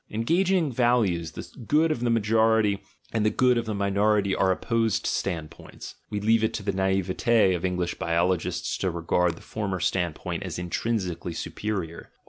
In gauging values, the good of the majority and the good of the minority are opposed standpoints : we leave it to the naivete of English biologists to regard the former standpoint as intrinsically superior.